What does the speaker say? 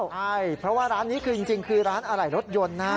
ใช่เพราะว่าร้านนี้คือจริงคือร้านอะไหล่รถยนต์นะ